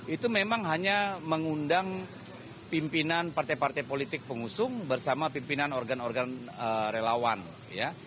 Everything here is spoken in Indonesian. itu memang hanya mengundang pimpinan partai partai politik pengusung bersama pimpinan organ organ relawan ya